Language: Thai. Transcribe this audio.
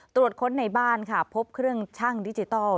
ตรวจค้นในบ้านค่ะพบเครื่องชั่งดิจิทัล